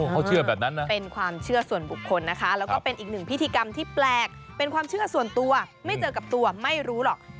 เขาเชื่อแบบนั้นนะเป็นความเชื่อส่วนบุคคลนะคะแล้วก็เป็นอีกหนึ่งพิธีกรรมที่แปลกเป็นความเชื่อส่วนตัวไม่เจอกับตัวไม่รู้หรอก